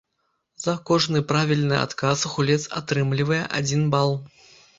За кожны правільны адказ гулец атрымлівае адзін бал.